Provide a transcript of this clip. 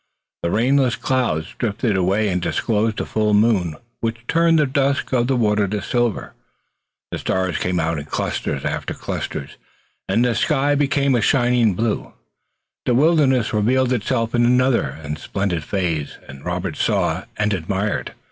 The rainless clouds drifted away and disclosed a full moon, which turned the dusk of the water to silver. The stars came out in cluster after cluster and the skies became a shining blue. The wilderness revealed itself in another and splendid phase, and Robert saw and admired.